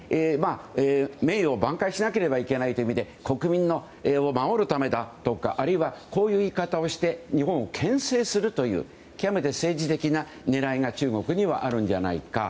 名誉挽回しなければならないという意味で国民を守るためだとかあるいはこういう言い方をして日本をけん制するという極めて政治的な狙いが中国にはあるんじゃないか。